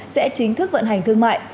sẽ chính thức vận hành thương mại